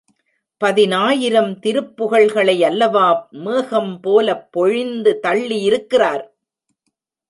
பதினாயிரம் திருப்புகழ்களையல்லவா மேகம் போலப் பொழிந்து தள்ளியிருக்கிறார்?